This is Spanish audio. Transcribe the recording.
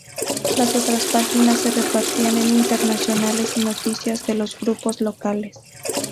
Las otras páginas se repartían en internacionales y noticias de los grupos locales.